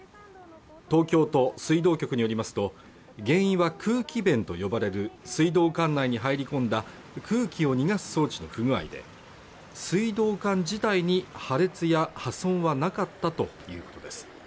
東京都水道局によりますと原因は空気弁と呼ばれる水道管内に入り込んだ空気を逃がす装置の不具合で水道管自体に破裂や破損はなかったということです